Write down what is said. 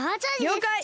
りょうかい！